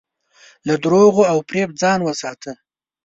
له دروغو او فریب ځان وساته.